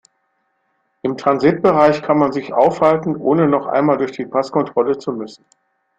Im Transitbereich kann man sich aufhalten, ohne noch einmal durch die Passkontrolle zu müssen.